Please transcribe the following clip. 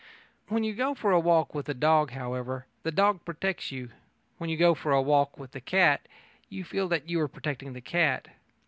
When you go for a walk with a dog, however, the dog protects you: when you go for a walk with a cat, you feel that you are protecting the cat.